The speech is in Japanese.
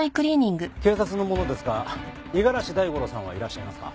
警察の者ですが五十嵐大五郎さんはいらっしゃいますか？